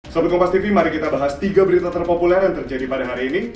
sobat kompastv mari kita bahas tiga berita terpopuler yang terjadi pada hari ini